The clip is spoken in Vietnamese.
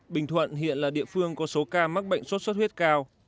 bình thuận hiện là địa phương có số ca mắc bệnh sốt xuất huyết cao